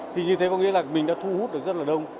thì như thế có nghĩa là mình đã thu hút được rất là đông